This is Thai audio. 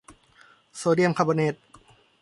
โซเดียมคาร์บอเนต